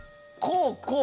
こう